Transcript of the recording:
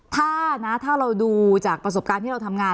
ถ้านะถ้าเราดูจากประสบการณ์ที่เราทำงาน